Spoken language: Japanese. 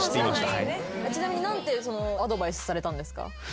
ちなみに何てアドバイスされたんですか？